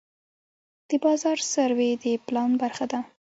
د بازار سروې د پلان برخه ده.